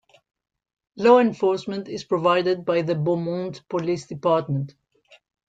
Law enforcement is provided by the Beaumont police department.